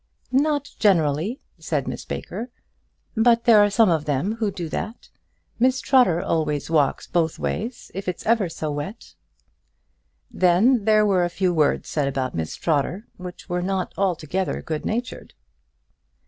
"Not generally," said Miss Baker; "but there are some of them who do that. Miss Trotter always walks both ways, if it's ever so wet." Then there were a few words said about Miss Trotter which were not altogether good natured.